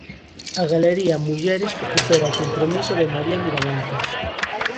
A Galería Mulleres recupera o compromiso de María Miramontes.